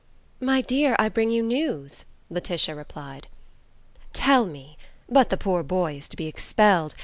"My dear, I bring you news," Laetitia replied. "Tell me. But the poor boy is to be expelled!